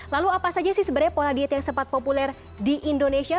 lalu apa saja sih sebenarnya pola diet yang sempat populer di indonesia